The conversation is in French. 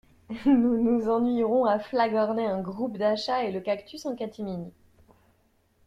Nous nous ennuierons à flagorner un groupe d'achats et le cactus en catimini.